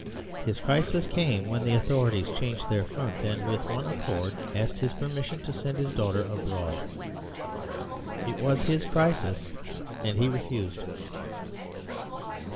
His crisis came when the authorities changed their front, and with one accord asked his permission to send his daughter abroad. It was his crisis, and he refused.